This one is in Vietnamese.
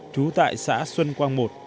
chú tại xã xuân quang i